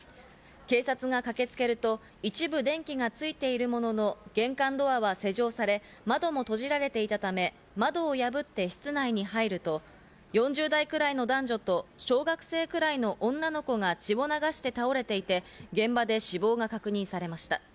警察が駆けつけると一部、電気がついているものの、玄関ドアは施錠され、窓も閉じられていたため、窓を破って室内に入ると、４０代くらいの男女と小学生くらいの女の子が血を流して倒れていて、現場で死亡が確認されました。